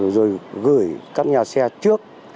rồi gửi các nhà xe trước